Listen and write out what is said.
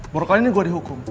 baru kali ini gue dihukum